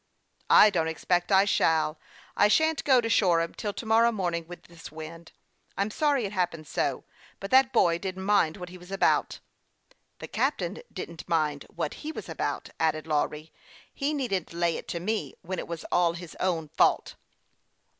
" I don't expect I shall. I shan't get to Shore ham till to morrow morning with this wind. I'm sorry it happened so ; but that boy didn't mind what he was about." " The captain didn't mind what he was about," added Lawry. " He needn't lay it to me, when it was all his own fault."